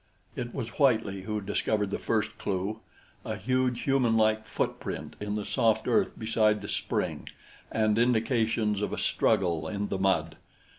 It was Whitely who discovered the first clue a huge human like footprint in the soft earth beside the spring, and indications of a struggle in the mud.